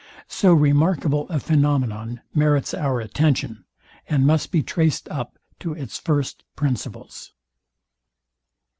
So remarkable a phænomenon merits our attention, and must be traced up to its first principles.